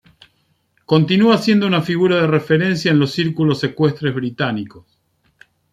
Continúa siendo una figura de referencia en los círculos ecuestres británicos.